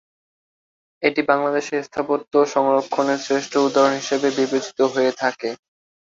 এটি বাংলাদেশে স্থাপত্য সংরক্ষণের শ্রেষ্ঠ উদাহরণ হিসেবে বিবেচিত হয়ে থাকে।